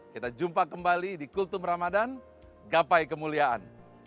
kita jumpa kembali di kultum ramadhan gapai kemuliaan